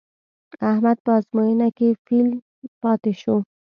احمد په ازموینه کې فېل پاتې شو.